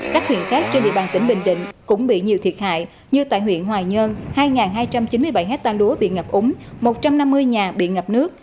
các huyện khác trên địa bàn tỉnh bình định cũng bị nhiều thiệt hại như tại huyện hoài nhơn hai hai trăm chín mươi bảy hectare lúa bị ngập úng một trăm năm mươi nhà bị ngập nước